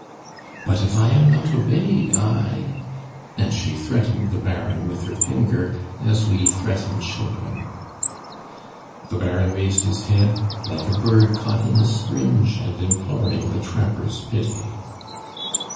"But if I am not obeyed, I " and she threatened the Baron with her finger as we threaten children. The Baron raised his head like a bird caught in a springe and imploring the trapper's pity.